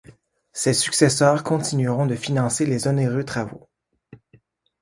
Ses successeurs continueront de financer les onéreux travaux.